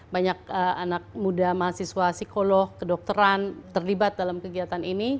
banyak anak muda mahasiswa psikolog kedokteran terlibat dalam kegiatan ini